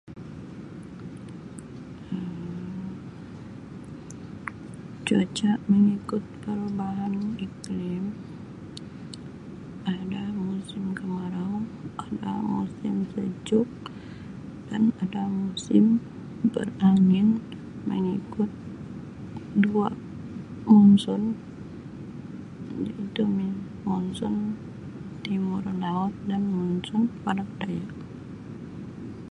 Um Cuaca mengikut perubahan iklim ada musim kemarau ada musim sejuk dan ada musim berangin mengikut dua monson iaitu monson timur laut dan monson barat daya.